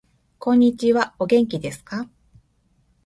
こんにちはお元気ですか